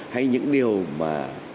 hay những điều mà